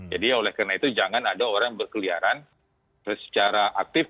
jadi oleh karena itu jangan ada orang berkeliaran secara aktif